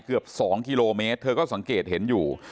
เกือบ๒กิโลเมตรเธอก็สังเกตเห็นอยู่